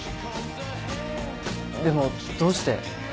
でもどうして？